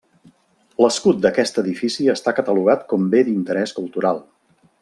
L'escut d'aquest edifici està catalogat com bé d'interès cultural.